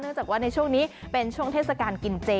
จากว่าในช่วงนี้เป็นช่วงเทศกาลกินเจ